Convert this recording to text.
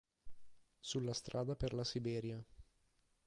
Sulla strada per la Siberia.